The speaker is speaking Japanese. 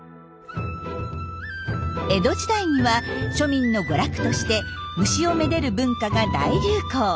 江戸時代には庶民の娯楽として虫をめでる文化が大流行。